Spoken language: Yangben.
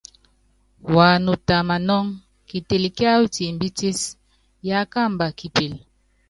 Wanuta manɔ́ŋ, kitel kiáwɔ timbitis yakamba kipil.